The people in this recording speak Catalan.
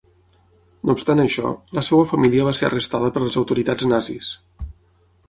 No obstant això, la seva família va ser arrestada per les autoritats nazis.